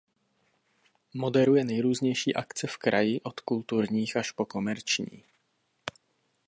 Moderuje nejrůznější akce v kraji od kulturních až po komerční.